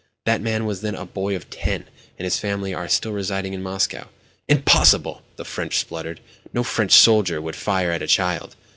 That man was then a boy of ten and his family are still residing in Moscow." "Impossible!" the Frenchman spluttered. "No French soldier would fire at a child!"